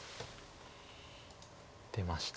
出ました。